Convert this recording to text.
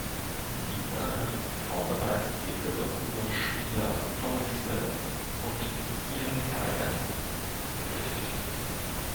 Dieser hatte zuvor bereits die Liverpooler Spieler Tommy Smith und Ian Callaghan verpflichtet.